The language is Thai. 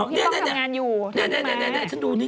พี่ป้องทำงานอยู่